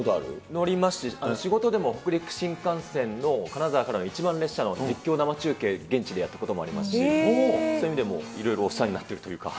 乗りますし、仕事でも北陸新幹線の金沢からの一番列車の実況生中継、現地でやったこともありますし、そういう意味でもいろいろお世話になっているというか。